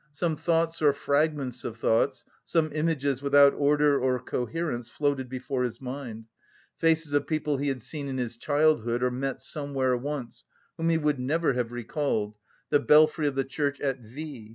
Some thoughts or fragments of thoughts, some images without order or coherence floated before his mind faces of people he had seen in his childhood or met somewhere once, whom he would never have recalled, the belfry of the church at V.